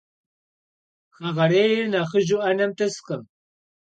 Хэгъэрейр нэхъыжьу ӏэнэм тӏыскъым.